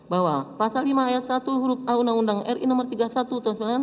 bahwa pasal lima ayat satu urbi no tiga puluh satu tahun seribu sembilan ratus sembilan puluh sembilan